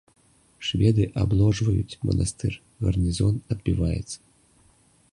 Шведы абложваюць манастыр, гарнізон адбіваецца.